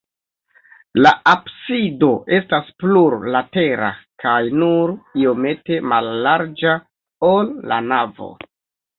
La absido estas plurlatera kaj nur iomete mallarĝa, ol la navo.